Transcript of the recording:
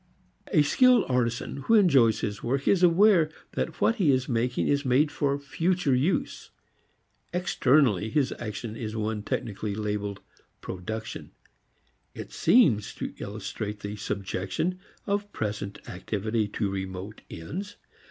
A skilled artisan who enjoys his work is aware that what he is making is made for future use. Externally his action is one technically labeled "production." It seems to illustrate the subjection of present activity to remote ends.